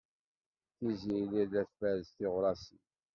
Tiziri la tferres tiɣrasin.